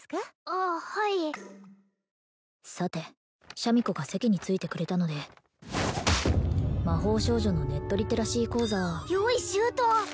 あっはいさてシャミ子が席に着いてくれたので魔法少女のネットリテラシー講座用意周到！